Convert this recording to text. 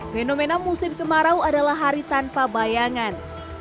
fenomena musim kemarau adalah hari tanpa bayangan